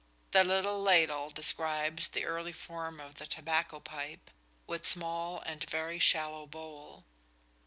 The "little ladell" describes the early form of the tobacco pipe, with small and very shallow bowl.